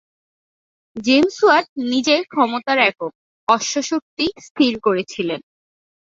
James Watt নিজে ক্ষমতার একক "অশ্ব শক্তি" স্থির করেছিলেন।